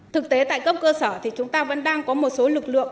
thực tế tại cấp cơ sở thì chúng ta vẫn đang có một số lực lượng